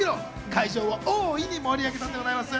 会場を大いに盛り上げたんでございます。